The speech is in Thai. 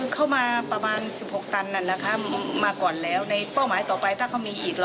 ทั่วประเทศจะมีประมาณ๒๕สกร